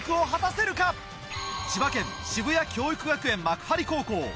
千葉県渋谷教育学園幕張高校。